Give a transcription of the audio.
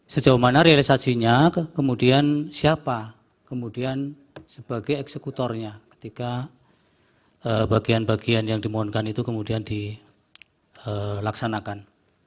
sejauh mana realisasinya kemudian siapa kemudian sebagai eksekutornya ketika bagian bagian yang dimohonkan itu kemudian dilaksanakan